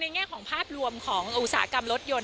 แง่ของภาพรวมของอุตสาหกรรมรถยนต